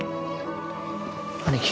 兄貴。